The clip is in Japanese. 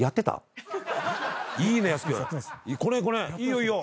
いいよいいよ。